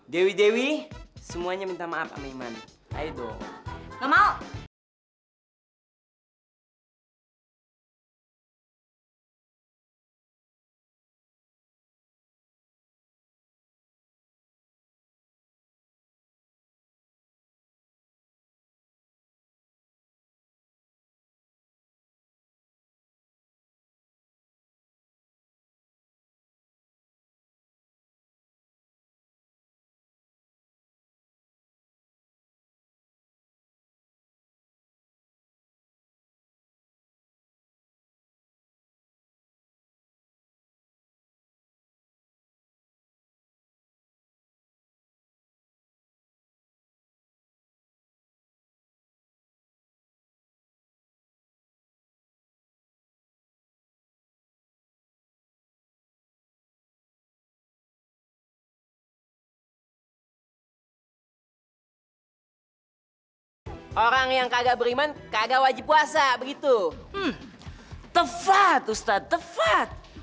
dewi dewi semuanya minta maaf sama iman